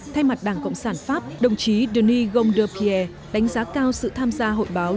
thay mặt đảng cộng sản pháp đồng chí denis gondepierre đánh giá cao sự tham gia hội báo